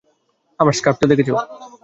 আমার স্কার্ফটা দেখেছ?